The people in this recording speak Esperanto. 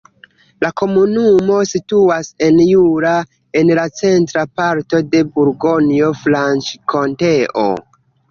La komunumo situas en Jura, en la centra parto de Burgonjo-Franĉkonteo.